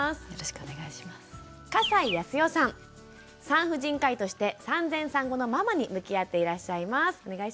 産婦人科医として産前産後のママに向き合っていらっしゃいます。